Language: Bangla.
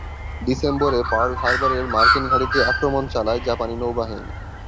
ডিসেম্বরে পার্ল হারবারের মার্কিন ঘাঁটিতে আক্রমণ চালায় জাপানি নৌবাহিনী।